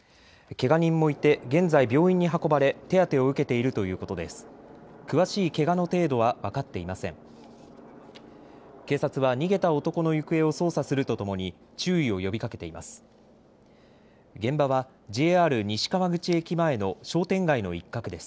けが人もいて現在、病院に運ばれ手当てを受けているということです。